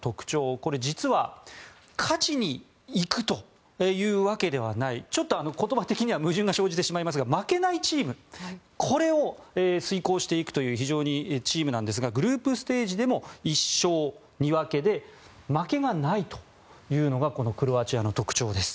これ、実は勝ちに行くというわけではないちょっと言葉的には矛盾が生じてしまいますが負けないチームこれを遂行していくというチームなんですがグループステージでも１勝２分けで負けがないというのがクロアチアの特徴です。